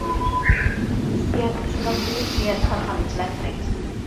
بىزگە مۇشۇنداق ئىلىم سۆيەر كارخانىچىلار كېرەك.